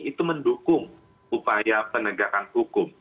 itu mendukung upaya penegakan hukum